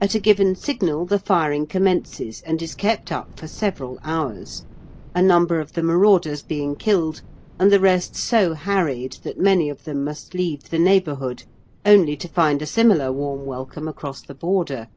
At a given signal the firing commences and is kept up for several hours, a number of the marauders being killed and the rest so harried that many of them must leave the neighbourhood, only to find a similar warm welcome across the border.